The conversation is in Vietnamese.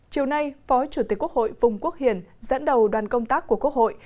chiều nay phó chủ tịch quốc hội phùng quốc hiển dẫn đầu đoàn công tác của quốc hội